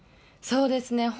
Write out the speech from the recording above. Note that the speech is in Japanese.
そうですね。